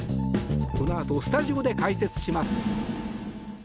このあとスタジオで解説します。